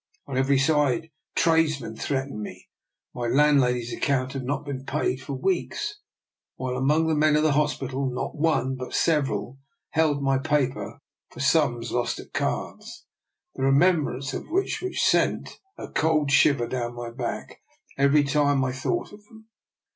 On every side tradesmen threatened me; my landlady's account had not been paid for weeks; while among the men of the hospital not one, but several, held my paper for sums lost at cards, the remembrance of which sent DR. NIKOLA'S EXPERIMENT. 5 a cold shiver down my back every time I thought of them.